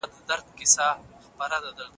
ناروغه ته دعا وکړئ.